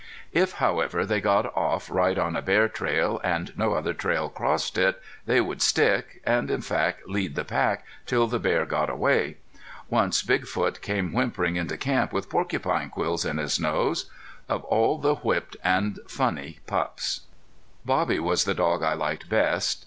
If, however, they got off right on a bear trail, and no other trail crossed it they would stick, and in fact lead the pack till' the bear got away. Once Big Foot came whimpering into camp with porcupine quills in his nose. Of all the whipped and funny pups! Bobby was the dog I liked best.